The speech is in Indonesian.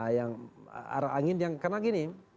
yang arah angin yang karena gini